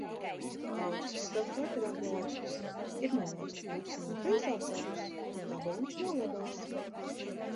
Ausis savukārt ir aplauztas — ir nolauzta puse no kreisās auss un gabaliņš no labās.